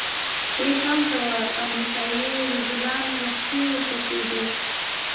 ای پام کوه امريکايي رذيلان وختي ورپسې دي.